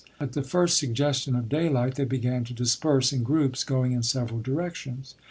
At the first suggestion of daylight they began to disperse in groups, going in several directions.